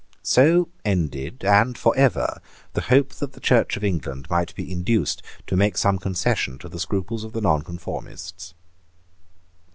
So ended, and for ever, the hope that the Church of England might be induced to make some concession to the scruples of the nonconformists.